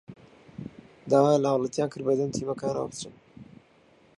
داوایان لە هاوڵاتیان کرد بەدەم تیمەکانەوە بچن